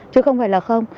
chứ không phải là không